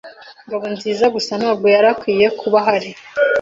Ngabonziza gusa ntabwo yari akwiye kuba ahari.